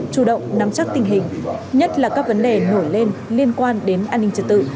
chủ động nắm chắc tình hình nhất là các vấn đề nổi lên liên quan đến an ninh trật tự